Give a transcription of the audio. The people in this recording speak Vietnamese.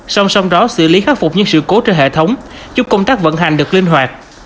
song song đó xử lý khắc phục những sự cố trên hệ thống giúp công tác vận hành được linh hoạt